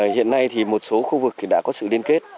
hiện nay thì một số khu vực đã có sự liên kết